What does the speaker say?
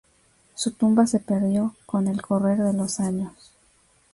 Su tumba se perdió con el correr de los años.